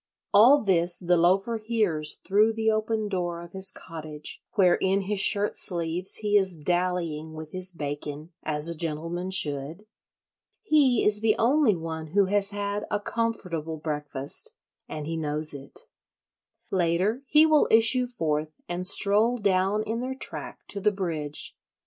All this the Loafer hears through the open door of his cottage, where in his shirt sleeves he is dallying with his bacon, as a gentleman should. He is the only one who has had a comfortable breakfast—and he knows it. Later he will issue forth and stroll down in their track to the bridge.